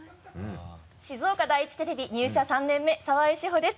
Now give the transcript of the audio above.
静岡第一テレビ入社３年目澤井志帆です。